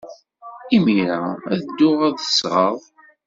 Imir-a, ad dduɣ ad d-sɣeɣ.